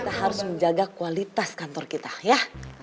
kita harus menjaga kualitas kantor kita ya